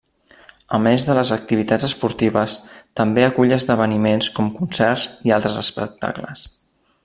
A més de les activitats esportives, també acull esdeveniments com concerts i altres espectacles.